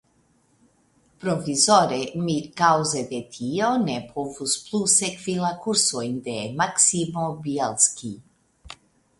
Provizore mi kaŭze de tio ne povus plu sekvi la kursojn de Maksimo Bjelski.